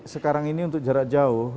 sekarang ini untuk jarak jauh